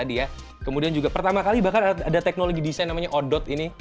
ini juga pertama kali bahkan ada teknologi desain namanya o dot ini